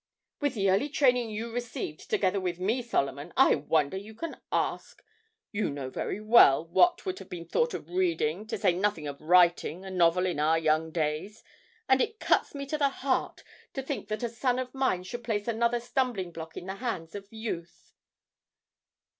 'With the early training you received together with me, Solomon, I wonder you can ask! You know very well what would have been thought of reading, to say nothing of writing, a novel in our young days. And it cuts me to the heart to think that a son of mine should place another stumbling block in the hands of youth.'